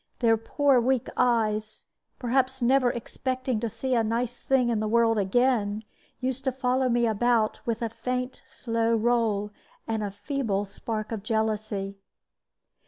Their poor weak eyes, perhaps never expecting to see a nice thing in the world again, used to follow me about with a faint, slow roll, and a feeble spark of jealousy.